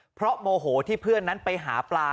เพราะโมโหที่เพื่อนนั้นไปหาปลา